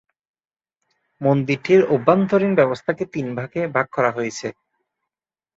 মন্দিরটির অভ্যন্তরীণ ব্যবস্থাকে তিনভাগে ভাগ করা হয়েছে।